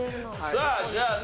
さあじゃあね